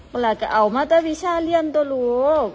เมื่อก็เอามาตรวิชาเรียนตัวลูก